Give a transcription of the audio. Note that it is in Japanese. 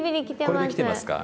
これできてますか？